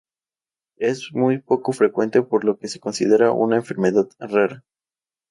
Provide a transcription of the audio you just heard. Es muy poco frecuente por lo que se considera una enfermedad rara.